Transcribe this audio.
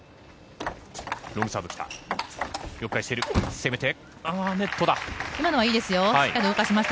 ロングサーブ、来た！